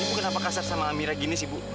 ibu ibu kenapa kasar sama amirah gini sih ibu